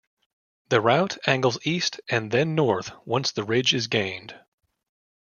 The route angles east and then north once the ridge is gained.